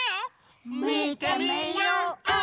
みてみよう！